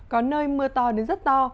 có nơi mưa to đến rất to